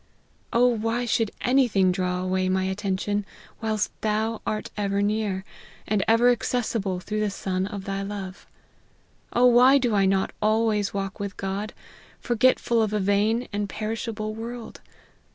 O why should any thing draw away my attention, whilst Thou art ever near, and ever accessible through the Son of Thy love ? O why do I not always walk with God, forgetful of a vain and per ishable world